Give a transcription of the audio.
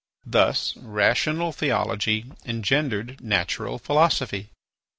Thus rational theology engendered natural philosophy.